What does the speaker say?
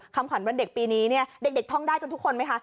คำขวัญวันเด็กปีนี้เนี่ยเด็กท่องได้จนทุกคนไหมคะ